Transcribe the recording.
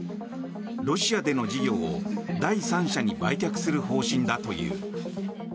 ロシアでの事業を第三者に売却する方針だという。